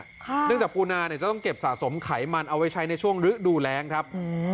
เนื่องจากปูนาเนี่ยจะต้องเก็บสะสมไขมันเอาไว้ใช้ในช่วงฤดูแรงครับ